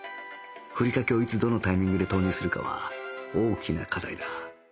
ふりかけをいつどのタイミングで投入するかは大きな課題だ